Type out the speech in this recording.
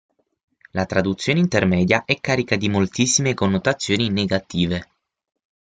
La traduzione intermedia è carica di moltissime connotazioni negative.